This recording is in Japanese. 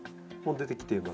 出てきてます